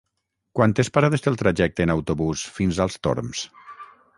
Quantes parades té el trajecte en autobús fins als Torms?